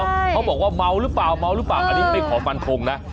เขาบอกว่าเมาหรือเปล่าเมาหรือเปล่าอันนี้ไม่ขอฟันทงนะ